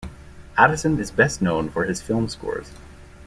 Addison is best known for his film scores.